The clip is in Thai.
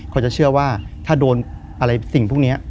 เขาจะเชื่อว่าถ้าโดนอะไรสิ่งพวกนี้